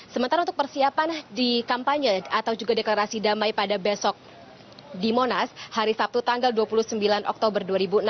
sementara untuk persiapan di kampanye atau juga deklarasi damai pada besok di monas hari sabtu tanggal dua puluh sembilan oktober dua ribu enam belas